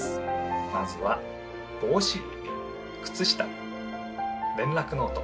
まずは帽子くつした連絡ノート。